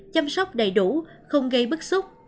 chăm sóc đầy đủ không gây bức xúc